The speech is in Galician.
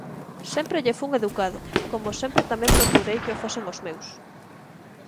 sempre lle fun educado, como sempre tamén procurei que o fosen os meus;